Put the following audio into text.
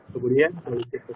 kemudian uji kinesis dibesan